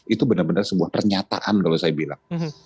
itu benar benar sebuah pernyataan kalau saya bilang